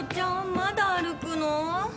まだ歩くの？